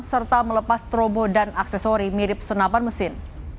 serta melepas trobo dan aksesori mirip senapan mesin